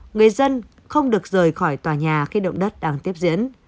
người dân không được rời khỏi tòa nhà khi động đất đang tiếp diễn